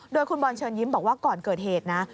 โดยคุณบอลเชิญยิ้มบอกว่าก่อนเกิดเหตุนะ